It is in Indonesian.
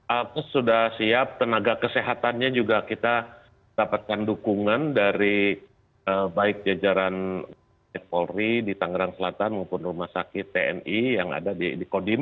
apes sudah siap tenaga kesehatannya juga kita dapatkan dukungan dari baik jajaran polri di tangerang selatan maupun rumah sakit tni yang ada di kodim